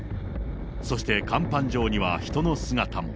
そして甲板上には人の姿も。